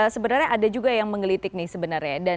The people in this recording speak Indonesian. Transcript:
sebenarnya ada juga yang menggelitik nih sebenarnya